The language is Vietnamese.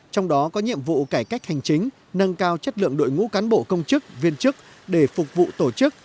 trong đó có nhiệm vụ cải cách hành chính nâng cao chất lượng đội ngũ cán bộ công chức viên chức để phục vụ tổ chức